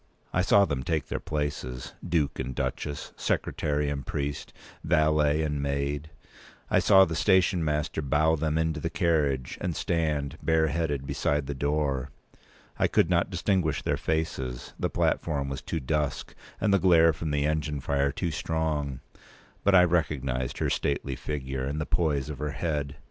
I saw them take their places—Duke and Duchess, secretary and priest, valet and maid. I saw the station master bow them into the carriage, and stand, bareheaded, beside the door. I could not distinguish their faces; the platform was too dusk, and the glare from the engine fire too strong; but I recognised her stately figure, and the poise of her head.